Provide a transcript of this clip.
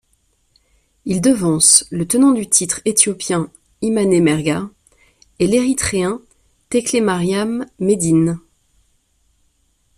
Il devance le tenant du titre éthiopien Imane Merga et l'Érythréen Teklemariam Medhin.